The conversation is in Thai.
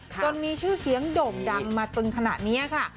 จนมีชื่อเสียงโด่งดังมาตึงขนาดนี้ค่ะ